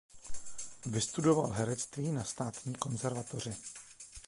Vystudoval herectví na Státní konzervatoři.